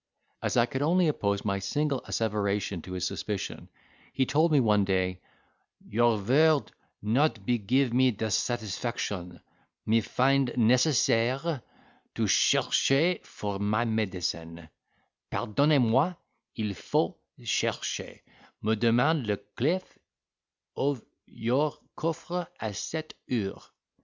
As I could only oppose my single asseveration to his suspicion, he told me one day, "Your vord not be give me de satisfaction—me find necessaire to chercher for my medicine; pardonnez moi—il faut chercher—me demand le clef of your coffre a cette heure."